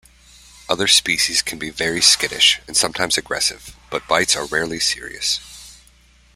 Other species can be very skittish and sometimes aggressive, but bites are rarely serious.